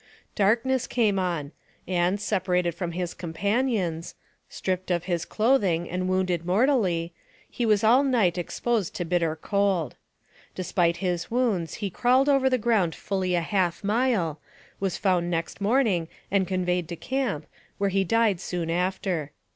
Darkness came on, and, separated from his companions, stripped of his clothing, and wounded mortally, he was all night ex posed to bitter cold. Despite his wounds, he crawled over the ground fully a half mile, was found next morning, and conveyed to camp, where he died soon after.